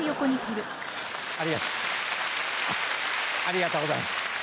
ありがとうございます。